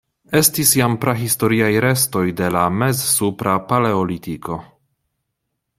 Estis jam prahistoriaj restoj de la mez-supra Paleolitiko.